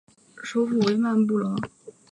首府为曼布劳。